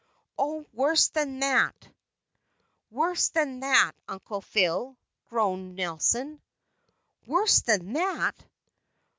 "Oh, worse than that, worse than that, Uncle Phile," groaned Nelson. "Worse than that!